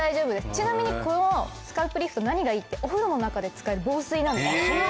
ちなみにこのスカルプリフト何がいいってお風呂の中で使える防水なんです。